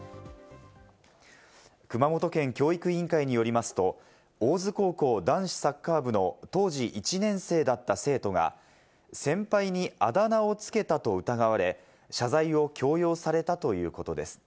熊本県教育委員会によりますと、大津高校男子サッカー部の当時１年生だった生徒が先輩にあだ名をつけたと疑われ、謝罪を強要されたということです。